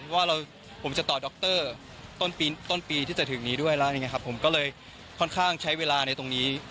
ว่าผมจะต่อดรต้นปีที่จะถึงนี้ด้วยแล้วผมก็เลยค่อนข้างใช้เวลาในตรงนี้